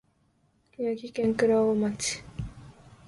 宮城県蔵王町